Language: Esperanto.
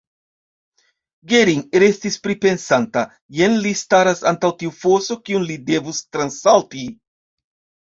Gering restis pripensanta: jen li staras antaŭ tiu foso, kiun li devus transsalti!